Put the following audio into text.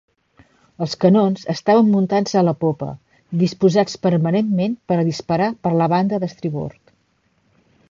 Els canons estaven muntats en la popa, disposats permanentment per a disparar per la banda d'estribord.